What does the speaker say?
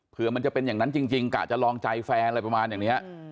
เพื่อมันจะเป็นอย่างนั้นจริงกะจะลองใจแฟนอะไรประมาณอย่างนี้